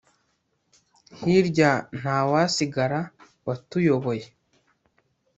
hirya ntawasigara, watuyoboye